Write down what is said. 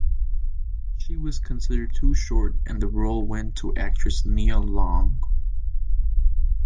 She was considered too short and the role went to actress Nia Long.